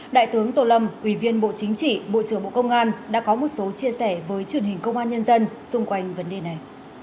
đại tướng tô lâm ủy viên bộ chính trị bộ trưởng bộ công an đã có một số chia sẻ với truyền hình công an nhân dân xung quanh vấn đề này